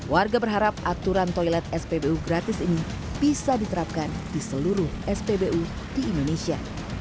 warga berharap aturan toilet spbu gratis ini bisa diterapkan di seluruh spbu di indonesia